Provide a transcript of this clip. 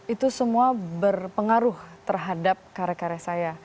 itu semua berpengaruh terhadap karya karya saya